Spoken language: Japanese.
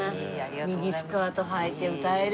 ミニスカートはいて歌える。